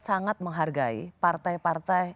sangat menghargai partai partai